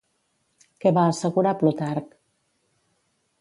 Què va assegurar Plutarc?